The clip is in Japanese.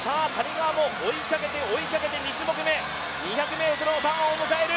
追いかけて追いかけて２種目め２００ｍのターンを迎える。